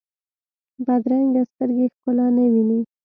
بدرنګه سترګې ښکلا نه ویني